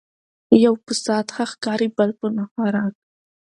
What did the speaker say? ـ يو په سعت ښه ښکاري بل په نه خوراک